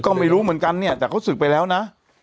ก็ไม่รู้เหมือนกันเนี่ยแต่เขาศึกไปแล้วนะ